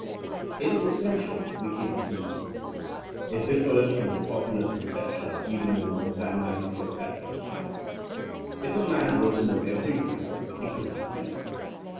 ^ It is essential we keep this in mind. It dif fers from the jwpular conception even more than may appear at first sight. If a man were to know everything he could not think.